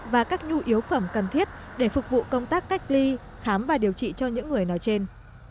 và các nhu yếu phẩm cần thiết để phục vụ công tác cách ly khám và điều trị cho những người nói trên